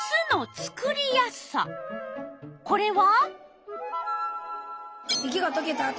これは？